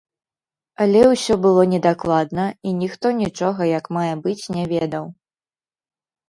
Але ўсё было недакладна, і ніхто нічога як мае быць не ведаў.